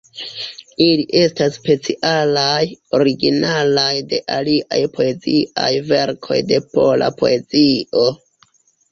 Ili estas specialaj, originalaj de aliaj poeziaj verkoj de pola poezio.